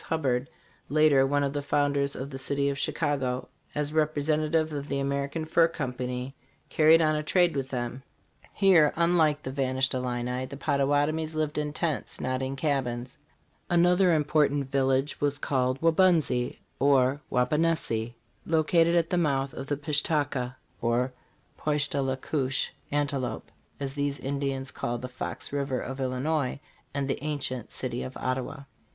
Hubbard, later one of the founders of the city of Chicago, as representa tive of the American Fur Company, carried on a trade with them. Here, unlike the vanished Illini, the Pottawatomies lived in tents, not in cabins. Another important village was called Waubunsee (or Wauponehsee), located at the mouth of the Pish ta ka (or Poish tah le koosh : antelope), as these Ind ians called the Fox river of Illinois, and the ancient city of Ottawa.